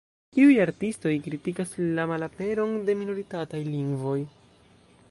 Iuj artistoj kritikas la malaperon de minoritataj lingvoj.